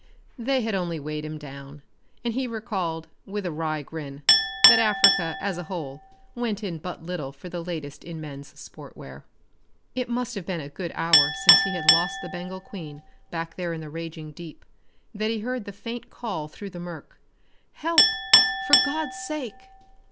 They had only weighed him down, and he recalled, with a wry grin, that Africa as a whole went in but little for the latest in men's sport wear. It must have been a good hour since he had lost the Bengal Queen back there in the raging deep, that he heard the faint call through the murk. "Help, for God's sake!"